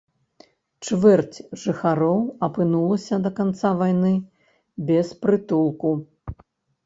Чвэрць жыхароў апынулася да канца вайны без прытулку.